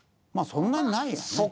まあそんなにないよね。